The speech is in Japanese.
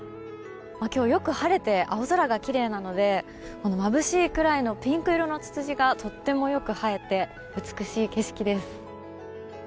今日、よく晴れて青空がきれいなのでまぶしいくらいのピンク色のツツジがとてもよく映えて美しい景色です。